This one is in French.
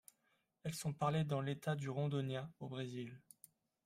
Elles sont parlées dans l'État du Rondônia, au Brésil.